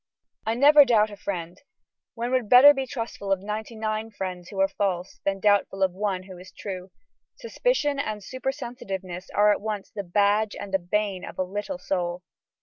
I never doubt a friend; one would better be trustful of ninety nine friends who are false than doubtful of one who is true. Suspicion and super sensitiveness are at once the badge and the bane of a little soul.